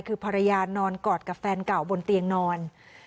คือภรรยานอนกอดกับแฟนเก่าบนเตียงนอน